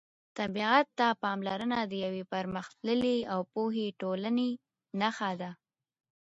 طبیعت ته پاملرنه د یوې پرمختللې او پوهې ټولنې نښه ده.